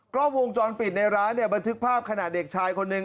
กล้องวงจรปิดในร้านเนี่ยบันทึกภาพขณะเด็กชายคนหนึ่ง